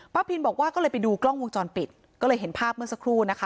พินบอกว่าก็เลยไปดูกล้องวงจรปิดก็เลยเห็นภาพเมื่อสักครู่นะคะ